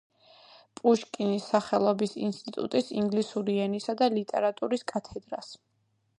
პუშკინის სახელობის ინსტიტუტის ინგლისური ენისა და ლიტერატურის კათედრას.